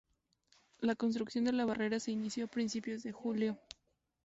La construcción de la barrera se inició a principios de julio.